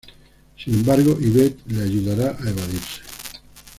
Sin embargo Yvette le ayudará a evadirse.